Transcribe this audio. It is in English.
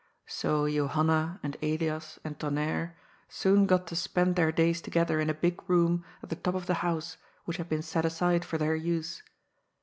So Johanna and Elias and Tonnerre soon got to spend their days together in a big room at the top of the house which had been set aside for their use.